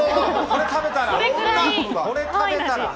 これを食べたら。